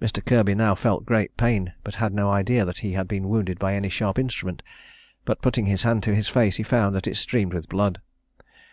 Mr. Kirby now felt great pain, but had no idea that he had been wounded by any sharp instrument; but, putting his hand to his face, he found that it streamed with blood.